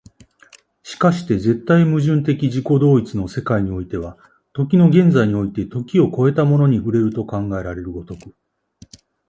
而して絶対矛盾的自己同一の世界においては、時の現在において時を越えたものに触れると考えられる如く、